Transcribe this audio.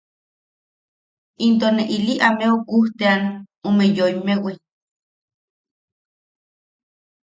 Into ne ili ameu kujteʼean ume yoimmewi.